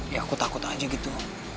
ya aku takut aja gitu